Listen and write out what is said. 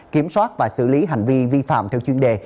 kiểm soát và xử lý hành vi vi phạm theo chuyên đề